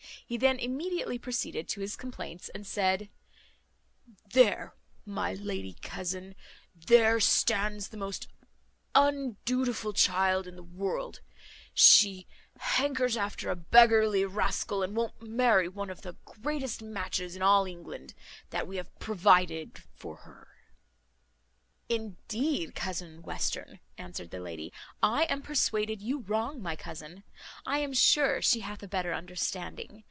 He then immediately proceeded to his complaints, and said, "There, my lady cousin; there stands the most undutiful child in the world; she hankers after a beggarly rascal, and won't marry one of the greatest matches in all England, that we have provided for her." "Indeed, cousin Western," answered the lady, "I am persuaded you wrong my cousin. I am sure she hath a better understanding.